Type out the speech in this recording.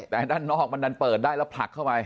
แต่ด้านนอกมันดันเปิดได้แล้วผลักเข้าไป